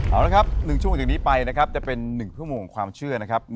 เอาละครับ๑ชั่วโมงจากนี้ไปนะครับจะเป็น๑ชั่วโมงของความเชื่อนะครับ